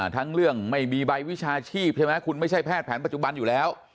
ทั้งเรื่องไม่มีใบวิชาชีพใช่ไหมคุณไม่ใช่แพทย์แผนปัจจุบันอยู่แล้ว